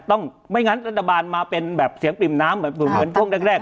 ต้องไม่งั้นระธบาลมาเป็นแบบเสียงปริ่มน้ำหรือเปลี่ยนต้องแรกแรก